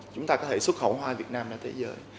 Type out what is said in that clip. chúng ta có thể xuất khẩu hoa việt nam ra thế giới